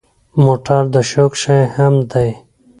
موټر د شوق شی هم دی.